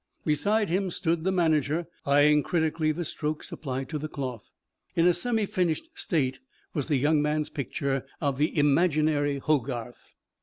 Beside him stood the manager, eyeing critically the strokes applied to the cloth. In a semi finished state was the young man's picture of the imaginary Hogarth.